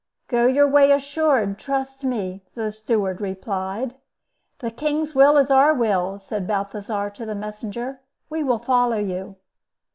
"Go your way assured; trust me," the steward replied. "The king's will is our will," said Balthasar to the messenger. "We will follow you."